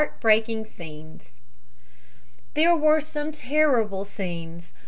} HEART BREAKING SCENES There were some terrible scenes.